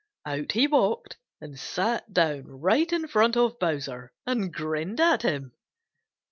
Out he walked and sat down right in front of Bowser and grinned at him.